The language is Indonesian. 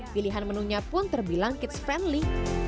pilihan menunya pun terbilang kids friendly